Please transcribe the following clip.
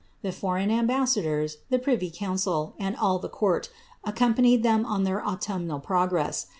The foreign ambassadors, the privy coun cil, and all the court, accompanied them on their autumnal progress.